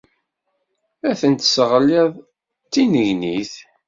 Ad ten-tesseɣliḍ d tinegnit